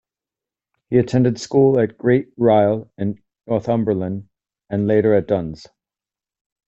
He attended school at Great Ryle in Northumberland, and later at Duns.